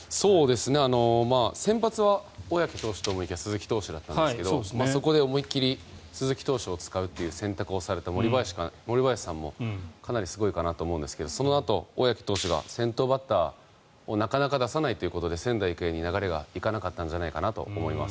先発は小宅投手ではなく鈴木投手だったんですけどそこで思い切り鈴木投手を使うという選択をされて森林さんもかなりすごいかなと思うんですがそのあと小宅投手が先頭バッターをなかなか出さないということで仙台育英に流れがいかなかったんじゃないかと思います。